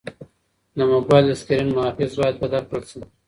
د موبایل د سکرین محافظ باید بدل کړل شي.